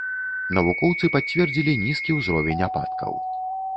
Навукоўцы пацвердзілі нізкі ўзровень ападкаў.